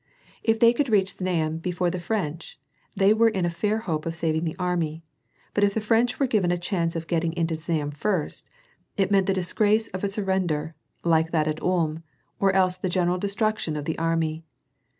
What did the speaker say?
If they could reach Znaim before the French, they were in a fair hope of saving the army ; but if the French were given a chance of getting to Znaim first, it meant the disgrace of a surrender, like that at Ulm, or else the general destruction of the army.